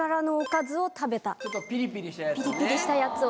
ピリピリしたやつを。